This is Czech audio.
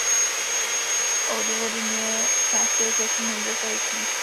Odvodňuje části okresů Nymburk a Jičín.